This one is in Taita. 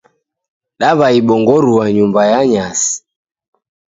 Dawaibongorua nyumba ya nyasi.